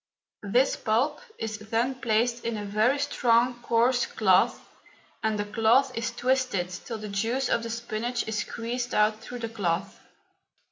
This pulp is then placed in a very strong, coarse cloth, and the cloth is twisted till the juice of the spinach is squeezed out through the cloth.